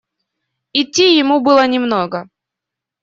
Идти ему было немного.